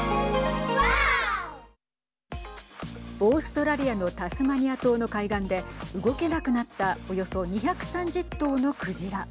オーストラリアのタスマニア島の海岸で動けなくなったおよそ２３０頭の鯨。